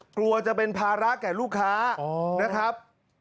กลัวจะเป็นภาระแก่ลูกค้านะครับ